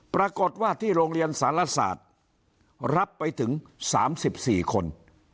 ปรากฏว่าที่โรงเรียนสารศาสตร์รับไปถึง๓๔คน